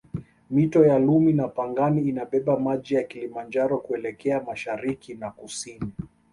Mito ya Lumi na Pangani inabeba maji ya Kilimanjaro kuelekea mashariki na kusini